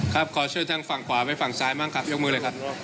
ขอช่วยทางฝั่งขวาไปฝั่งซ้ายบ้างครับยกมือเลยครับ